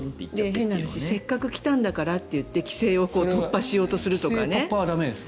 せっかく来たんだからって規制を突破しようとするとかね。